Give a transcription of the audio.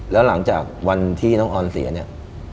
แล้วหลังจากวันที่น้องออนเสียเนี่ย